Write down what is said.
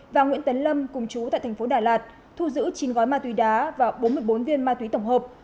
và nguyễn tấn lâm cùng chú tại thành phố đà lạt thu giữ chín gói ma túy đá và bốn mươi bốn viên ma túy tổng hợp